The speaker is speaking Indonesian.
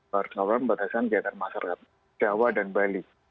baru baru membataskan gener masyarakat jawa dan bali